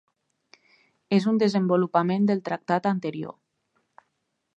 És un desenvolupament del tractat anterior.